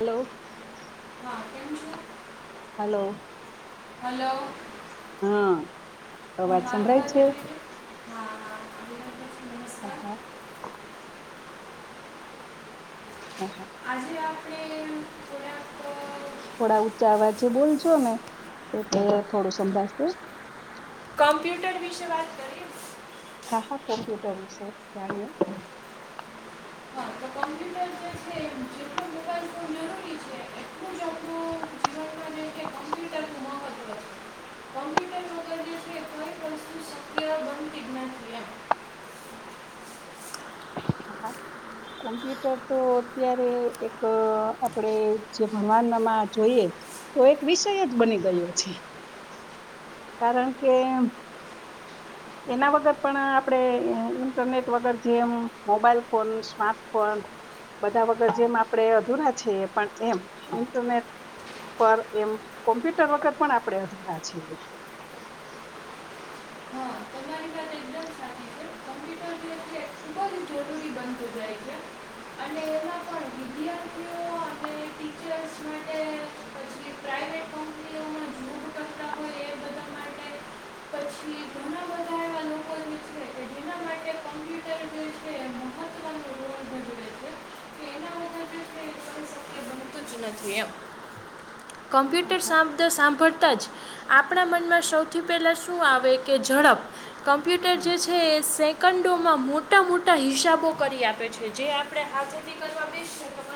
Hello. હા કેમ છો? હલો. હલો. હા હા, અવાજ મારો સમભળાય અવાજ છે. આવી રહ્યો હા હા આવી રહ્યો છું હ નમસ્કાર હા. હા હા. આજે આપણે થોડાક થોડા ઊંચા અવાજે બોલજો ને, એટલે થોડું સંભાશે. કોમ્પ્યુટર વિશે વાત કરીએ. હા હા કોમ્પ્યુટર વિશે જાણીએ. હ તો કોમ્પ્યુટર જે છે જેટલો મોબાઈલ ફોન જરૂરી છે, એટલું જ આપણું જીવન માં જેછે કમ્પ્યુટર નુ મહત્વ છે. કોમ્પ્યુટર વગર જે છે કોઈક વસ્તુ શક્ય બનતી જ નથી એમ. હા. કોમ્પ્યુટર તો અત્યારે એક આપડે જે ભણવાનમાં જોઈએ. તો એક વિષય જ બની ગયો છે. કારણ કે. એના વગર પણ આપણે ઇન્ટરનેટ વગર જેમ મોબાઈલ ફોન, સ્માર્ટફોન બધા વગર જેમ આપડે અધુરા છે પણ એમ ઇન્ટરનેટ પર એમ કોમ્પ્યુટર વગર પણ આપણે અધુરા છીએ. હા તમારી વાત એકદમ સાચી છે કમ્પ્યુટર જે છે ખૂબ જ જરૂરી [inaudible] [inaudible] છે અને એમાં પણ વિદ્યાર્થીઓ અને ટીચર્સ માટે પછી પ્રાઇવેટ કંપનીઓમાં [inaudible] જોબ હોય એ બધા માટે પછી ઘણા બધા એવા લોકો છે કે એના માટે કમ્પ્યુટર જે છે મહત્વનુ કોમ્પ્યુટર શબ્દ સાંભળતા જ આપણા મનમાં સૌથી પહેલા શું આવે કે ઝડપ કોમ્પ્યુટર જે છે એ સેકન્ડોમાં મોટા મોટા હિસાબો કરી આપે છે જે આપણે આઝાદી કરવા બેસી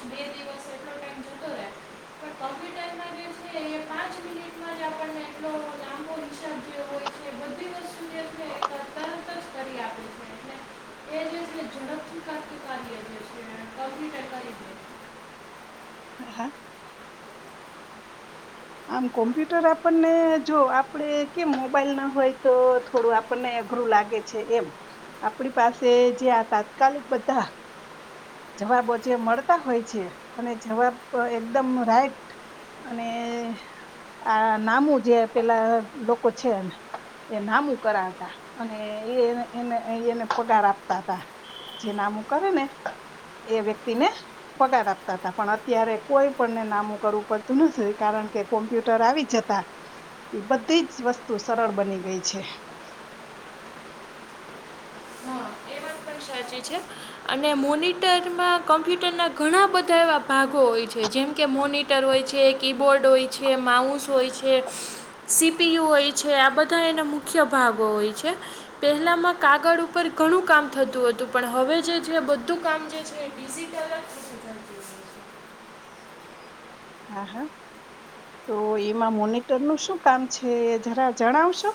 [inaudible] કોમ્પ્યુટર [inaudible] પાંચ મિનિટમાં જ આપણને એટલો લાંબો વિષયો હોય કે બધી વસ્તુ [unintelligible] તરત જ કરી આપે છે એટલે [inaudible] એ જે ઝડપથી [inaudible] હા હા આમ કોમ્પ્યુટર આપણને જો આપણે કેમ મોબાઈલ ના હોય તો થોડું આપણને અઘરું લાગે. છે એમ આપણી પાસે જે આ તાત્કાલિક બધા જવાબો જે મળતા હોય છે અને જવાબ એકદમ રાઈટ અને આ નામું જે પેલા લોકો છે ને એ નામું કરાતા અને એને એને પગાર આપતા હતા. જે નામું કરે ને એ વ્યક્તિ ને પગાર આપતા હતા પણ અત્યારે કોઈ પણને નામું કરવું પડતું નથી કારણ કે કોમ્પ્યુટર આવી જતા એ બધી જ વસ્તુ સરળ બની ગઈ છે. હા [inaudible] સાચી છે. અને મોનિટરમાં કમ્પ્યુટર ના ઘણા બધા એવા ભાગો હોય છે. જેમ કે મોનીટર હોય છે, કીબોર્ડ હોય છે, માઉસ હોય છે. સીપીયુ હોય છે આ બધા એના મુખ્ય ભાગો હોય છે. પેલામાં કાગળ ઉપર ઘણું કામ થતું હતું પણ હવે જે છે બધું કામ જે છે એ ડિજિટલ જ થઈ જાય છે. હા હા તો એમાં મોનિટર નું શું કામ છે જરા જણાવશો?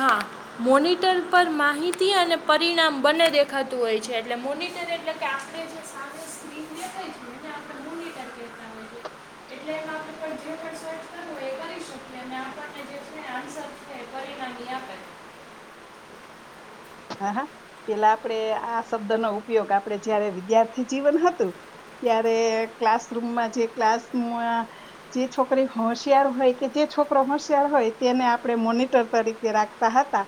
હા મોનિટર પર માહિતી અને પરિણામ બંને દેખાતું હોય છે એટલે મોનટર એટલે કે આપણે જ [unintelligible] [unintelligible] મોનીટર કેહતા હોઈ એટલે [unintelligible] સર્ચ કરવુ હોય એ કરી શકે [inaudible] [unintelligible] હા હા પેલા આપડે આ શબ્દ નો ઉપયોગ આપડે જયારે વિદ્યાર્થી જીવન હતું ત્યારે ક્લાસરૂમમાં જે ક્લાસરૂમમાં જે છોકરી હોશિયાર હોય કે જે છોકરો હોશિયાર હોય તેને આપણે મોનીટર તરીકે રાખ તા હતા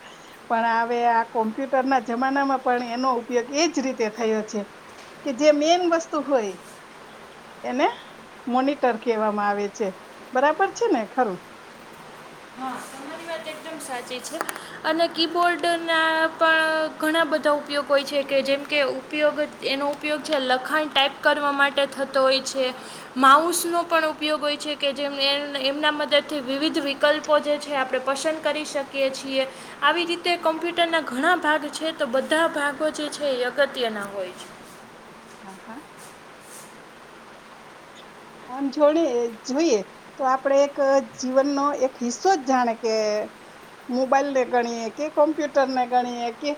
પણ હવે આ કોમ્પ્યુટરના જમાનામાં પણ એનો ઉપયોગ એજ રીતે થયો છે કે જે મેન વસ્તુ હોય એને મોનિટર કહેવામાં આવે છે બરાબર છે ને ખરું હા તમારી વાત એકદમ સાચી છે અને કીબોર્ડના પણ ઘણા બધા ઉપયોગ હોય છે કે જેમ કે ઉપયોગ એનો ઉપયોગ છે લખાણ ટાઈપ કરવા માટે થતો હોય છે માઉસ નો પણ ઉપયોગ હોય છે કે જે એમના મદદથી વિવિધ કલ્પો જે છે આપણે પસંદ કરી શકીએ છીએ આવી રીતે કોમ્પ્યુટર ના ઘણા ભાગ છે તો બધા ભાગો જે છે એ અગત્યના હોય છે હા હા આમ જોડે જોઈએ તો આપણેે એક જીવનનો એક હિસ્સો જ જાણે કે મોબાઈલ ને ગણીએ કે કોમ્પ્યુટર ને ગણીએ કે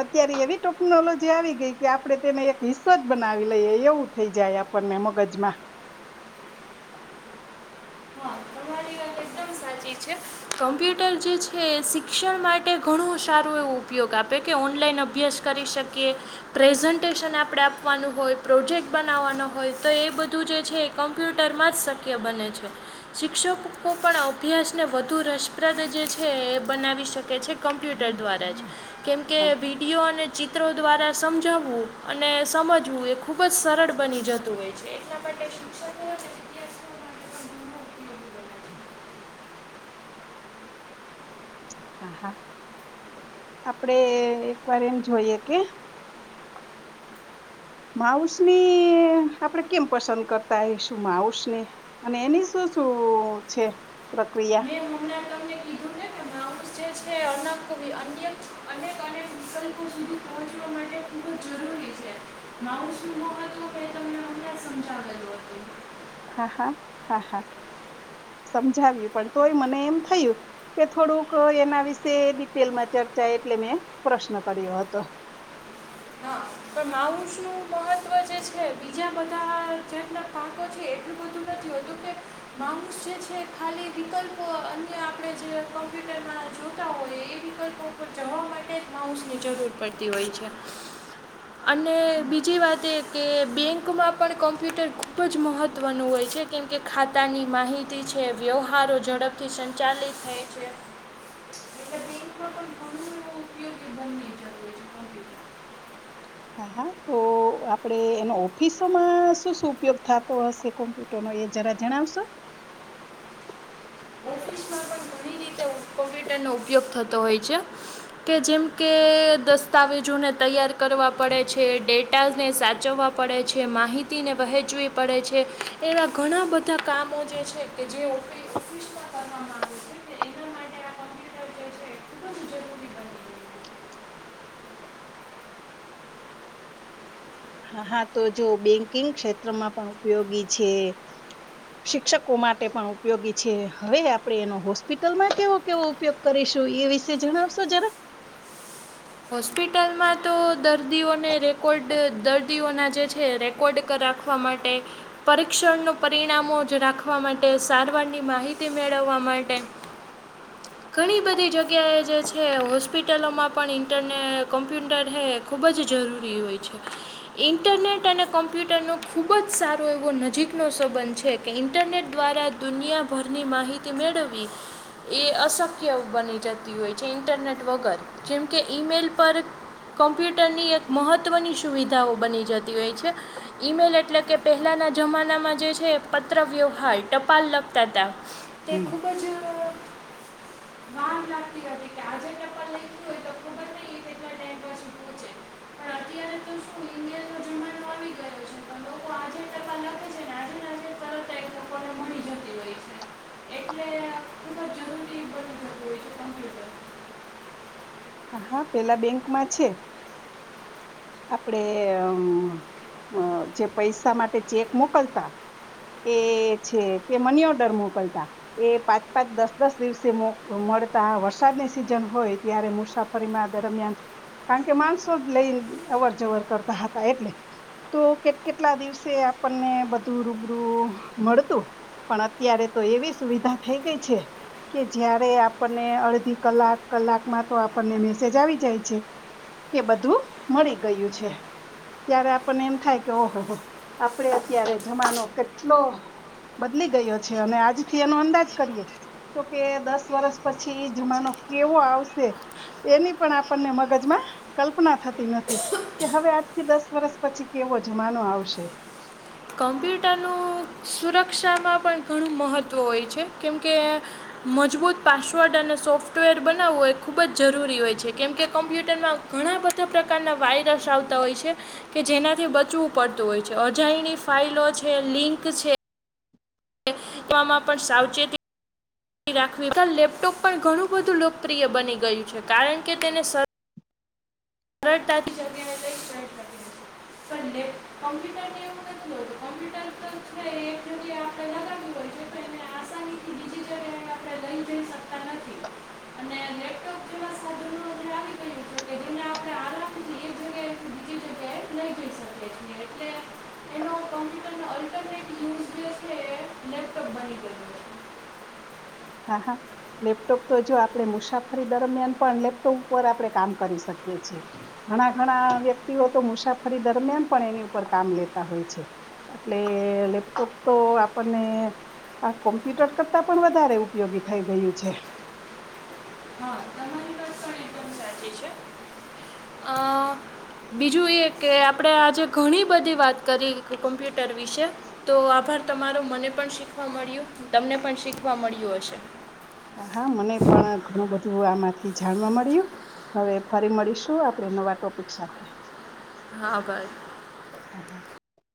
અત્યારે એવી ટોકનોલોજી આવી ગઈ કે આપડે તેને એક હિસ્સો જ બનાવી લઈએ એવું થઈ જાય પને મગજમાં [unintelligible] લાગે સે સાચી છે. કોમ્પ્યુટર જે છે એ શિક્ષણ માટે ઘણું સારું એવો ઉપયોગ આપે કે ઓનલાઈન અભ્યાસ કરી શકીએ પ્રેઝન્ટેશન આપણે આપવાનું હોય પ્રોજેક્ટ બનાવવાનો હોય તો એ બધું જે છે કમ્પ્યુટરમાં જ શક્ય બને છે શિક્ષકો [unintelligible] પણ ઈતિહાસને વધુ રસપ્રદ જે છે એ બનાવી શકે છે. કોમ્પ્યુટર દ્વારા જ કેમ કે હા વિડીયો અને ચિત ત્રો દ્વારા સમજાવું અને સમજવું એ ખૂબ જ સરળ બની જતું હોય છે એટલા માટે શિક્ષકો અને વિદ્યાર્થીઓ માટે [unintelligible] પણ હા હા આપડે એક વાર એમ જોઈએ કે માઉસનની આપડે કેમ પસંદ કરતા હશું માઉસને અને એની શું શું છે પ્રક્રિયા મેં હમણા તમને કીધું ને માઉસ જે છે અનાવિ અન્ય અનેક અનેક વિકલ્પો સુધી પહોંચવા માટે ખુબ જ જરૂરી છે માવુશ શું ન હતું કે ત ક સમજાવેલું હતું હા હા હા હા સમજાવ્યું પણ તોય મને એમ થયું કે થોડુંક એના વિશે ડિટેલમાં ચર્ચા એટલે મેં પ્રશ્ન કર્યો હતો હા પણ માઉસ નું મહત્વ જે છે બીજા બધા જેતના પાકો છે. એટલું બધું નથી હોતું કે માઉસ જે છે ખાલી વિકલ્પઓ અન્ય આપણે જે કોમ્પ્યુટરમાં જોતા હોઈ એ વિકલ્પ જવા માટે માઉસની જરૂર પડતી હોય છે અને બીજી વાત એ કે બેંકમાં પણ કોમ્પ્યુટર ખૂબ જ મહત્ત્વનું હોય છે. કેમ કે ખાતાની માહિતી છે વ્યવહારો ઝડપથી સંચાલિત થાય છે એટલે બે પણ ઘ ઉપયોગી બંને જરૂરી છે કોમ્પ્યુટર હા હા તો આપણે એનો ઓફિસોમાં શું શું ઉપયોગ થાતો હશે કોમ્પ્યુટર નો એ જરા જણાવશો ઓફિસમાં [inaudible] [unintelligible] રીતે કોમ્પ્યુટરનો ઉપયોગ થતો હોય છે. કે જેમ કે દસ્તાવેજોને તૈયાર કરવા પડે છે ડેટાજ ને સાચવવા પડે છે માહિતીને વહેંચવી પડે છે એવા ઘણા બધા કામો જે છે કે જે ઓફ આવે એના માટે આ કોમ્પ્યુટર જે છે ખૂબ જ જરૂરી ગયું છે હ હા તો જો બેંકિંગ ક્ષેત્રમાં પણ ઉપયોગી છે. શિક્ષકો માટે પણ ઉપયોગી છે હવે આપડે એનો હોસ્પિટલ માટે કેવો ઉપયોગ કરીશું એ વિશે જણાવશો જરા હોસ્પિટલમાં તો દર્દીઓને રેકોર્ડ દર્દીઓના જે છે રે કોડક રાખવા માટે પરીક્ષણનું પરિણામો જ રાખવા માટે સારવારની માહિતી મેળવવા માટે ઘણી બધી જગ્યાએ જે છે હોસ્પિટલોમાં પણ ઇન્ટરનેટ કોમ્પ્યુટર હે ખૂબ જ જરૂરી હોય છે. ઈન્ટરનેટ અને કોમ્પ્યુટર નો ખુબ જ સારો એવો નજીક નો સંબંધ છે. કે ઇન્ટરનેટ દ્વારા દુનિયાભરની માહિતી મેળવી એ અશક્ય બની જતી હોય છે ઇન્ટરનેટ વગર જેમકે ઈમેલ પર કોમ્પ્યુટરની એક મહત્વની સુવિધાઓ બની જતી હોય છે. ઈમેલ એટલે કે પહેલાના જમાનામાં જે છે પત્રવ્યવહાર ટપાલ લખતા હતા. તે ખૂબ જ [inaudible] [inaudible] અત્યારે તો શું ઇન્ડિયાનો જમાનો આવી ગયો છે પણ લોકો આજે કરવા લાગે છે ને આજેને આજે તરત જ લોકોને મળી જતી હોય છે [inaudible] એટલે ખૂબ જરૂરી બની જતું હોય છે, કમ્પ્યુટર હા હા પેલા બેંકમાં છે. આપડે અ જે પૈસા માટે ચેક મોકલતા એ છે કે મની ઓર્ડર મોકલતા એ પાંચ પાંચ દસ દસ દિવસે મળતા વરસાદની સિઝન હોય ત્યારે મુસાફ ફરીમા દરમિયાન કારણ કે માણસો જ લઈ અવર જવર કરતા હતા એટલે તો કેટ કેટલા દિવસે આપણને બધું રૂબરૂ મળતુ પણ અત્યારે તો એવી સુવિધા થઈ ગઈ છે. કે જયારે આપણને અડધી કલાક કલાકમાં તો આપણને મેસેજ આવી જાય છે. કે બધું મળી ગયું છે. ત્યારે આપણને એમ થાય કે ઓહ હો આપડે અત્યારે જમાનો કેટલો બદલી ગયો છે અને આજ થી એનો અંદાજ કરીએ તો કે દસ વર્ષ પછી એ જમાનો કેવો આવશે એની પણ આપણને મગજમાં કલ્પના થ તી નથી કે હવે આજ થી દસ વર્ષ પછી કેવો જમાનો આવશે કમ્પ્યુટરનું સુરક્ષામાં પણ ઘણું મહત્ત્વ હોય છે કેમકે મજબૂત પાસવર્ડ અને સોફ્ટવેર બનાવવુ એ ખૂબ જ જરૂરી હોય છે, કેમ કે કમ્પ્યુટરમાં ઘણા બધા પ્રકારના વાયરસ આવતા હોય છે, કે જેનાથી બચવું પડતું હોય છે અજાયણી ફાઈલો છે, લિંક છે. [unintelligible] માં પણ સાવચેતી રાખાવી અત્યારે લેપટોપ પણ ઘણું બધું લોકપ્રિય બની ગયું છે, કારણ કે તેને સ [unintelligible] સલે કોમ્પ્યુટર ને એવું જ ન કોમ્પ્યુટર તો આપ જાગું હો છે. તેને આસાનીથી બીજી જગ્યા આપડે લઈ જઈ શકતા નથી. અને લેપટોપ જેવા સાધનો જે આવી ગયું છે કે જેને [inaudible] આપણે લહી જઈ શકે છે એટલે એનો કોમ્પ્યુટરનો અલ્ટરનેટ યુઝ જે છે લેપટોપ બની ગેલુ હા હા લેપટોપ તો જો આપડે મુસાફરી દરમિયાન પણ લેપટોપ ઉપર આપડે કામ કરી શકીએ છીએ. ઘણા ઘણા વ્યક્તિઓ તો મુસાફરી દરમિયાન પણ એની ઉપર કામ લેતા હોય છે. એટલે લેપટોપ તો આપણને કોમ્પ્યુટર કરતા પણ વધારે ઉ પયોગી થઈ ગયું છે. હા તમારી પણ એકદમ સાચી છે અ બીજું એ કે આપડે આજે ઘણી બધી વાત કરી કોમ્પ્યુટર વિશે તો આભાર તમારો મને પણ શીખવા મળ્યુ તમને પણ શીખવા મળ્યું હશે. હા, મને પણ ઘણું બધું આમાંથી જાણવા મળ્યુ હવે ફરી મળીશું આપડ નવા ટોપિક સાથે હા ભાઈ હા હા